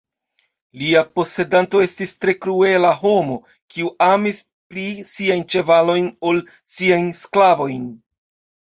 Lia posedanto estis tre kruela homo, kiu amis pli siajn ĉevalojn ol siajn sklavojn.